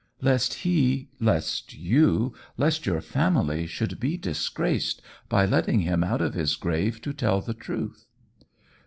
Lest he, lest you, lest your family should be disgraced by letting him out of his grave to tell the truth."